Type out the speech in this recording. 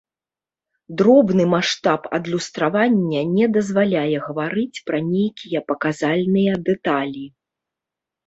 Дробны маштаб адлюстравання не дазваляе гаварыць пра нейкія паказальныя дэталі.